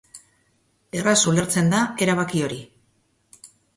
Erraz ulertzen da erabaki hori.